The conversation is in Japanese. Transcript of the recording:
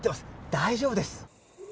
大丈夫です